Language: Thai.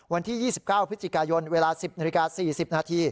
วันที่๒๙พฤศจิกายนเวลา๑๐๔๐น